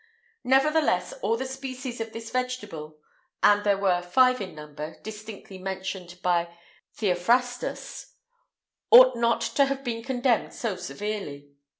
Nevertheless, all the species of this vegetable (and there were five in number, distinctly mentioned by Theophrastus[IX 175]) ought not to have been condemned so severely.